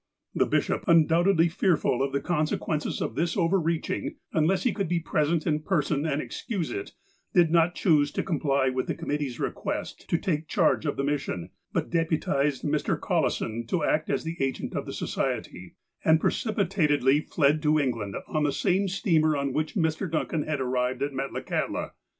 The bishop, undoubtedly fearful of the consequences of this overreaching, unless he could be present in person and excuse it, did not choose to comply with the commit tee's request to take charge of the mission, but deputized Mr. Collison to act as the agent of the Society, and pre cipitatedly fled to England on the same steamer on which Mr. Duncan had arrived at Metlakahtla.